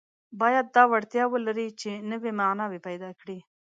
باید دا وړتیا ولري چې نوي معناوې پیدا کړي.